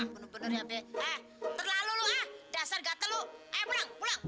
bener bener ya terlalu lu ah dasar gatel lu